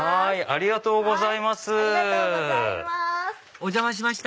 ありがとうございます！